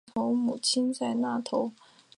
德赖茨希是德国图林根州的一个市镇。